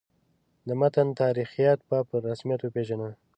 د متن تاریخیت به په رسمیت وپېژنو.